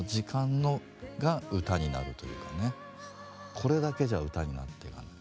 これだけじゃ歌になっていかない。